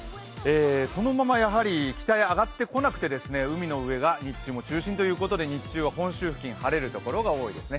そのまま、やはり北へ上がってこなくて海の上が日中も中心ということで日中も本州付近晴れるところが多いですね。